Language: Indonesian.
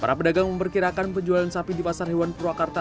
para pedagang memperkirakan penjualan sapi di pasar hewan purwakarta